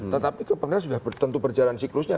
tetapi kepentingan sudah tentu berjalan siklusnya